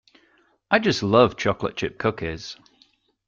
I just love chocolate chip cookies.